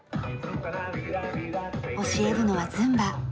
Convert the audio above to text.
教えるのはズンバ。